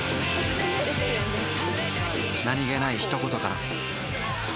何気ない一言から